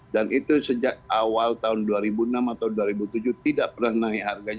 dan itu sejak awal tahun dua ribu enam atau dua ribu tujuh tidak pernah naik harganya